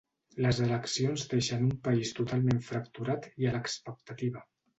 Les eleccions deixen un país totalment fracturat i a l’expectativa.